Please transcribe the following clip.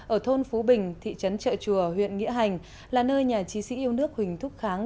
ở thôn phú bình thị trấn trợ chùa huyện nghĩa hành là nơi nhà trí sĩ yêu nước huỳnh thúc kháng